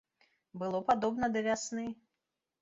Было падобна да вясны.